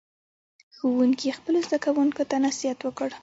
ښوونکي خپلو زده کوونکو ته نصیحت وکړ.